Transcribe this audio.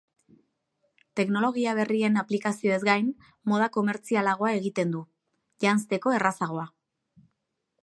Teknologia berrien aplikazioez gain, moda komertzialagoa egiten du, janzteko errazagoa.